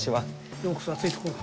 ようこそ、暑いとこへ。